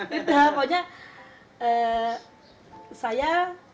ya udah pokoknya saya